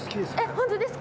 ホントですか？